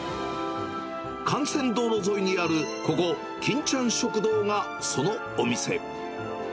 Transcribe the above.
幹線道路沿いにあるここ、金ちゃん食堂がそのお店。